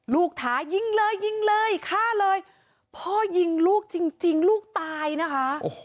ถายิงเลยยิงเลยฆ่าเลยพ่อยิงลูกจริงลูกตายนะคะ